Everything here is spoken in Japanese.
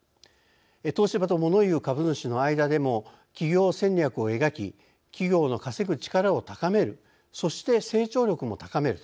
東芝とモノ言う株主の間でも企業戦略を描き企業の稼ぐ力を高めるそして成長力も高める。